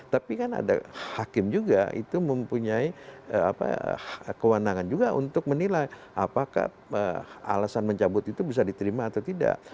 tapi kan ada hakim juga itu mempunyai kewenangan juga untuk menilai apakah alasan mencabut itu bisa diterima atau tidak